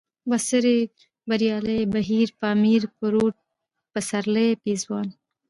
بڅرکى ، بريالی ، بهير ، پامير ، پروټ ، پسرلی ، پېزوان